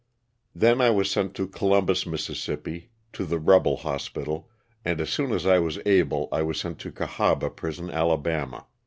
Then I was sent to Columbus, Miss., to the rebel hospital, and as soon as I was able I was sent to Oahaba prison, Ala.